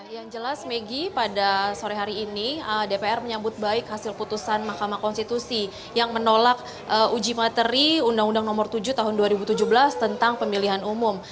yang jelas megi pada sore hari ini dpr menyambut baik hasil putusan mahkamah konstitusi yang menolak uji materi undang undang nomor tujuh tahun dua ribu tujuh belas tentang pemilihan umum